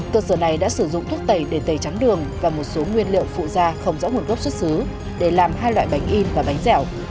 cơ sở này đã sử dụng thuốc tẩy để tẩy trắng đường và một số nguyên liệu phụ da không rõ nguồn gốc xuất xứ để làm hai loại bánh in và bánh dẻo